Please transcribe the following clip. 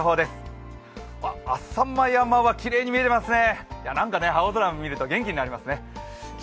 浅間山はきれいに見えてますね。